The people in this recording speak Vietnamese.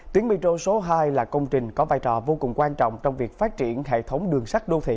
tuyến metro số hai là công trình có vai trò vô cùng quan trọng trong việc phát triển hệ thống đường sắt đô thị